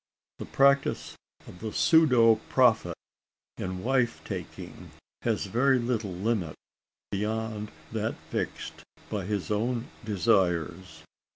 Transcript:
The practice of the pseudo prophet in wife taking has very little limit, beyond that fixed by his own desires.